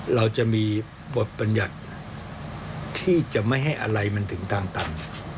เราจะมีบทบัญญัติที่จะไม่ให้อะไรมันถึงทางตัน